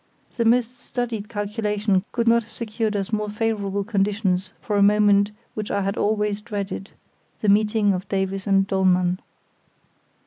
The most studied calculation could not have secured us more favourable conditions for a moment which I had always dreaded—the meeting of Davies and Dollmann.